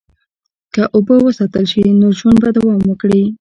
که اوبه وساتل شي، نو ژوند به دوام وکړي.